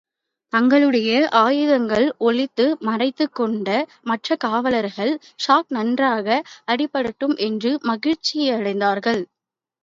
தங்களுடைய ஆயுதங்களை ஒளித்து மறைத்துக் கொண்ட மற்ற காவல்காரர்கள், இஷாக் நன்றாக அடிபடட்டும் என்று மகிழ்ச்சியடைந்தார்கள்.